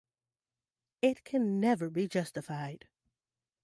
It can never be justified.